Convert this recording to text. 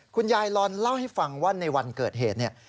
คุณยายลอนเล่าให้ฟังว่าในวันเกิดเหตุเนี่ย